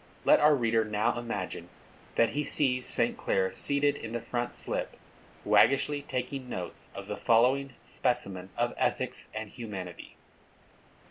Let our reader now imagine that he sees St. Clare seated in the front slip, waggishly taking notes of the following specimen of ethics and humanity.